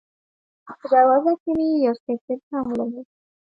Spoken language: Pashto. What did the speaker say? په دروازه کې مې یو سګرټ هم ولګاوه.